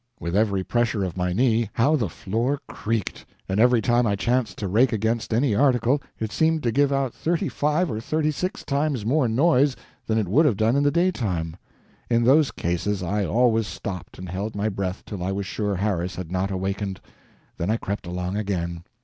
With every pressure of my knee, how the floor creaked! and every time I chanced to rake against any article, it seemed to give out thirty five or thirty six times more noise than it would have done in the daytime. In those cases I always stopped and held my breath till I was sure Harris had not awakened then I crept along again.